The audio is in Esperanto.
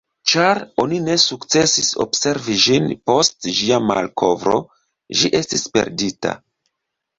Ĉar oni ne sukcesis observi ĝin post ĝia malkovro, ĝi estis perdita.